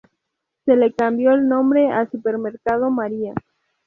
Se le cambió el nombre a Supermercado María.